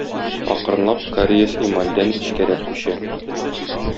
Акрынлап кариес эмальдән эчкәрәк күчә.